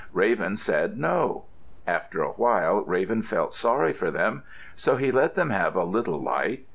Raven said, "No." After a while Raven felt sorry for them, so he let them have a little light.